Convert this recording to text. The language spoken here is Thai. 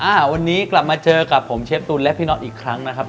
อ่าวันนี้กลับมาเจอกับผมเชฟตูนและพี่น็อตอีกครั้งนะครับ